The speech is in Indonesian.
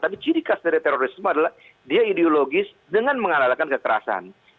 tapi ciri khas dari terorisme adalah dia ideologis dengan mengandalkan kekerasan